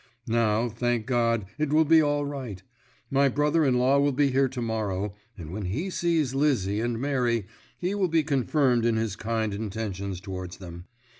Now, thank God, it will be all right. My brother in law will be here to morrow, and when he sees Lizzie and Mary he will be confirmed in his kind intentions towards them.